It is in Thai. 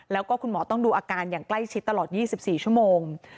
แล้วก็คุณหมอต้องดูอาการอย่างใกล้ชิดตลอด๒๔ชั่วโมง